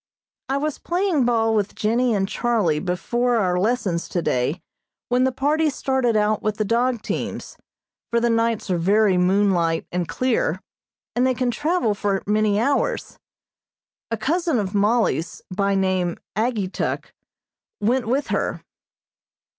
I was playing ball with Jennie and Charlie before our lessons today when the party started out with the dog teams, for the nights are very moonlight and clear, and they can travel for many hours. A cousin of Mollie's, by name Ageetuk, went with her.